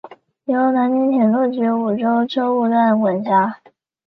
由南宁铁路局梧州车务段管辖。